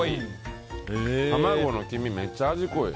卵の黄身、めっちゃ味濃い。